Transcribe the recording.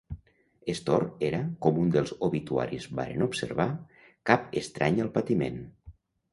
Storr era, com un dels obituaris varen observar, "cap estrany al patiment".